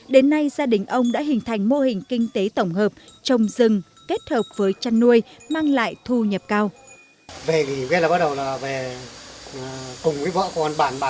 đến nay gia đình ông đã hình thành mô hình kinh tế tổng hợp trồng rừng kết hợp với chăn nuôi mang lại thu nhập cao